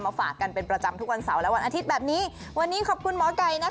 ฝากกันเป็นประจำทุกวันเสาร์และวันอาทิตย์แบบนี้วันนี้ขอบคุณหมอไก่นะคะ